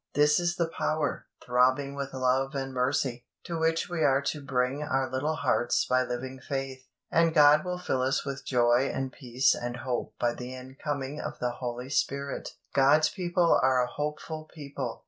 This is the power, throbbing with love and mercy, to which we are to bring our little hearts by living faith, and God will fill us with joy and peace and hope by the incoming of the Holy Spirit. God's people are a hopeful people.